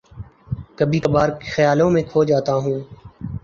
کبھی کبھار خیالوں میں کھو جاتا ہوں